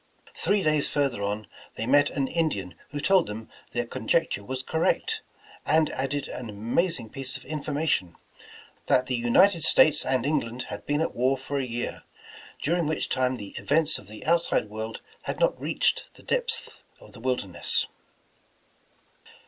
Three days further on, they met an Indian who told them their conjecture was cor rect, and added an amazing piece of information — that the United States and England had been at wai for a year, during which time the events of the out 201 The Original John Jacob Astor side world had not reached the depths of the wilder ness.